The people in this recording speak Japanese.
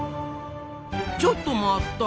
ちょっと待った！